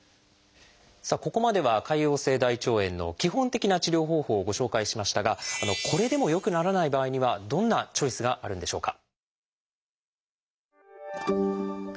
さあここまでは潰瘍性大腸炎の基本的な治療方法をご紹介しましたがこれでも良くならない場合にはどんなチョイスがあるんでしょうか？